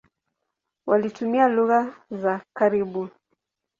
Walitumia lugha za karibu.